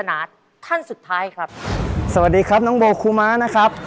นาท่านสุดท้ายครับสวัสดีครับน้องโบครูม้านะครับ